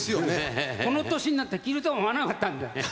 この年になって着るとは思わなかったんで。